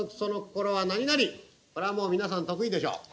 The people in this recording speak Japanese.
これは皆さん得意でしょう。